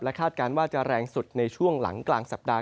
คาดการณ์ว่าจะแรงสุดในช่วงหลังกลางสัปดาห